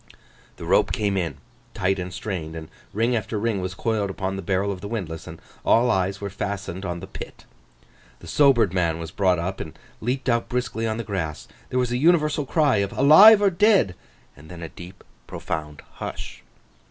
The rope came in tight and strained; and ring after ring was coiled upon the barrel of the windlass, and all eyes were fastened on the pit. The sobered man was brought up and leaped out briskly on the grass. There was an universal cry of 'Alive or dead?' and then a deep, profound hush.